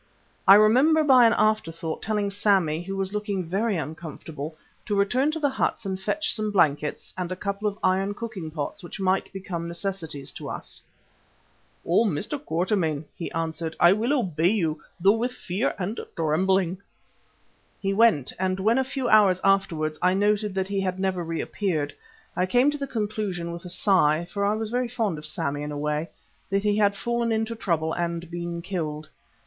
I remember by an afterthought, telling Sammy, who was looking very uncomfortable, to return to the huts and fetch some blankets and a couple of iron cooking pots which might become necessities to us. "Oh! Mr. Quatermain," he answered, "I will obey you, though with fear and trembling." He went and when a few hours afterwards I noted that he had never reappeared, I came to the conclusion, with a sigh, for I was very fond of Sammy in a way, that he had fallen into trouble and been killed.